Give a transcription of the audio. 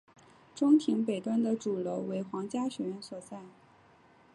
中庭北端的主楼为皇家学院所在。